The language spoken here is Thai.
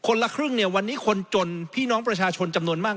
ละครึ่งเนี่ยวันนี้คนจนพี่น้องประชาชนจำนวนมาก